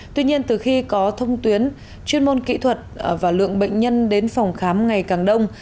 tuy nhiên từ khi có thông tuyến chuyên môn kỹ thuật và lượng bệnh nhân đến phòng khám ngày càng đông